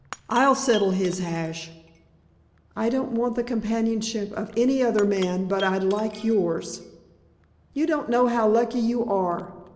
I'll settle his hash." "I don't want the companionship of any other man, but I'd like yours." "You don't know how lucky you are.